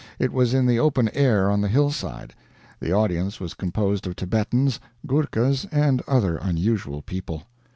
It was in the open air on the hillside. The audience was composed of Thibetans, Ghurkas, and other unusual people.